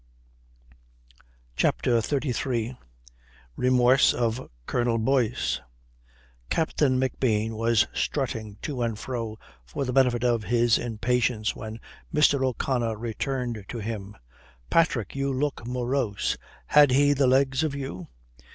CHAPTER XXXIII REMORSE OF COLONEL BOYCE Captain McBean was strutting to and fro for the benefit of his impatience when Mr. O'Connor returned to him. "Patrick, you look morose. Had he the legs of you?"